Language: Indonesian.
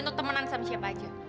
untuk temenan sama siapa aja